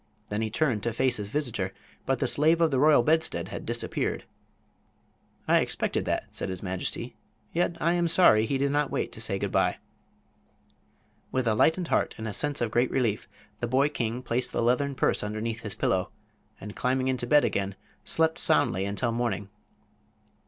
Then he turned to face his visitor, but the Slave of the Royal Bedstead had disappeared. "I expected that," said his majesty; "yet I am sorry he did not wait to say good by." With a lightened heart and a sense of great relief the boy king placed the leathern purse underneath his pillow, and climbing into bed again slept soundly until morning.